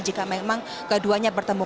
jika memang keduanya bertemu